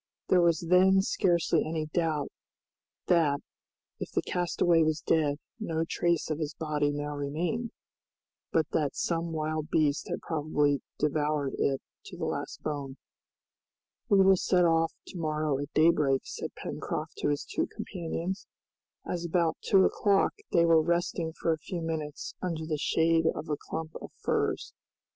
There was then scarcely any doubt that, if the castaway was dead, no trace of his body now remained, but that some wild beast had probably devoured it to the last bone. "We will set off to morrow at daybreak," said Pencroft to his two companions, as about two o'clock they were resting for a few minutes under the shade of a clump of firs.